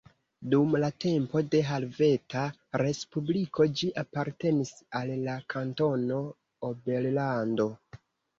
Dum la tempo de la Helveta Respubliko ĝi apartenis al la Kantono Oberlando.